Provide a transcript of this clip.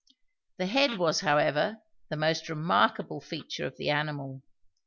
The head was, however, the most remarkable feature of the animal.